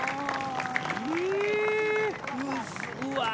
うわ。